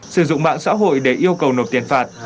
sử dụng mạng xã hội để yêu cầu nộp tiền phạt